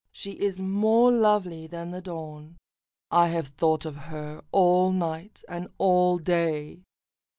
She is more lovely than the dawn. I have thought of her all night and all day.